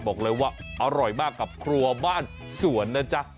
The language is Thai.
บอกเลยว่าอร่อยมากกับครัวบ้านสวนนะจ๊ะ